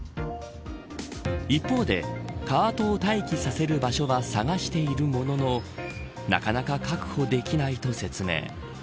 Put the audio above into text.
一方でカートを待機させる場所は探しているもののなかなか確保できないと説明。